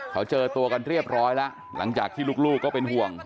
เขาเจอตัวกันเรียบร้อยแล้วหลังจากที่ลูกก็เป็นห่วง